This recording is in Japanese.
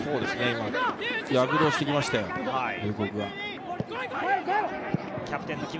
躍動してきましたよ、龍谷が。